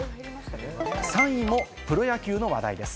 ３位もプロ野球の話題です。